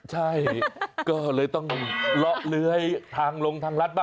ใช่ก็เลยต้องเลาะเลื้อยทางลงทางรัฐบ้าง